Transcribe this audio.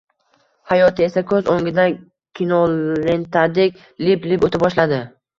Hayoti esa koʻz oʻngidan kinolentadek, lip-lip oʻta boshladi